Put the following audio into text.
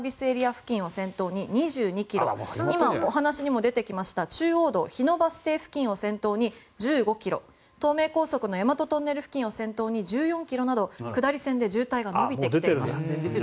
付近を先頭に２２ｋｍ今お話にも出てきた中央道日野バス停付近を先頭に１５ｋｍ東名高速の大和トンネル付近を先頭に１４ｋｍなど下り線で渋滞が延びてきています。